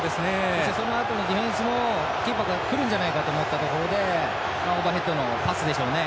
そのあとのディフェンスもキーパーがくるんじゃないかというところでオーバーヘッドのパスでしょうね。